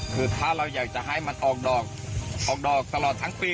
คือถ้าเราอยากจะให้มันออกดอกออกดอกตลอดทั้งปี